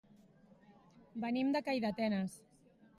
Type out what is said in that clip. Venim de Calldetenes.